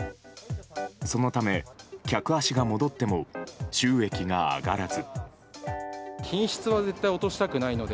そのため、客足が戻っても収益が上がらず。